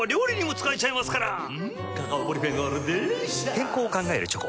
健康を考えるチョコ。